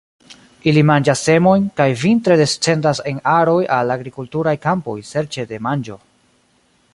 Ili manĝas semojn, kaj vintre descendas en aroj al agrikulturaj kampoj serĉe de manĝo.